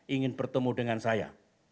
ingin bertemu dengan saya